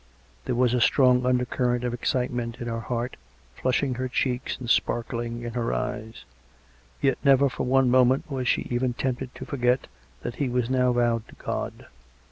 There was a strong undercurrent of excitement in her heart, flushing her checks and sparkling in her eyes; yet never for one moment was she even tempted to forget that he was now vowed to God.